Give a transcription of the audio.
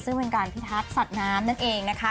ซึ่งเป็นการพิทักษ์สัตว์น้ำนั่นเองนะคะ